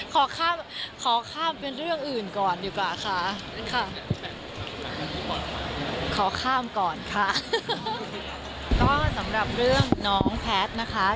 ก็สำหรับเรื่องน้องแพทท์นะคะ